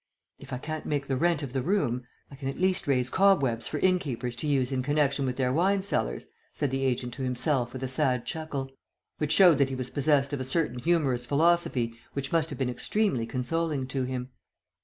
"If I can't make the rent of the room, I can at least raise cobwebs for innkeepers to use in connection with their wine cellars," said the agent to himself with a sad chuckle, which showed that he was possessed of a certain humorous philosophy which must have been extremely consoling to him.